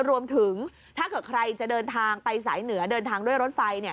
รวมถึงถ้าเกิดใครจะเดินทางไปสายเหนือเดินทางด้วยรถไฟ